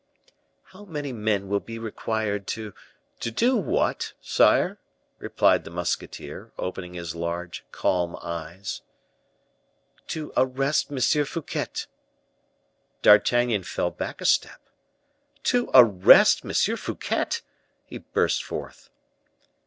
"How many men will be required to " "To do what, sire?" replied the musketeer, opening his large, calm eyes. "To arrest M. Fouquet." D'Artagnan fell back a step. "To arrest M. Fouquet!" he burst forth.